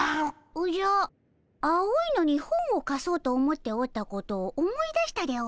おじゃ青いのに本をかそうと思っておったことを思い出したでおじゃる。